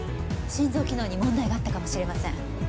心臓機能に問題があったかもしれません。